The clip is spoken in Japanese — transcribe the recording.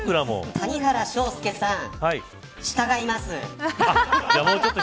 谷原章介さん従います。